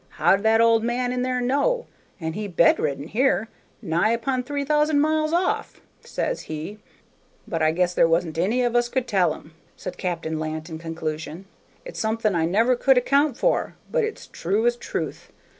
How did that old man in there know, and he bedridden here, nigh upon three thousand miles off?' says he. But I guess there wasn't any of us could tell him," said Captain Lant in conclusion. "It's something I never could account for, but it's true as truth.